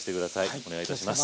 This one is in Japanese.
お願いいたします。